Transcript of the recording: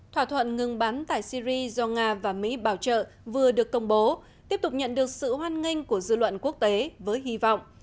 thỏa thuận ngừng bắn tại syri do nga và mỹ bảo trợ vừa được công bố tiếp tục nhận được sự hoan nghênh của dư luận quốc tế với hy vọng